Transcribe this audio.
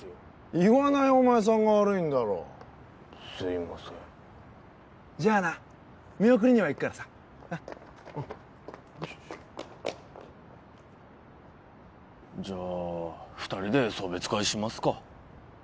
言わないお前さんが悪いんだろすいませんじゃあな見送りには行くからさなッじゃあ二人で送別会しますか？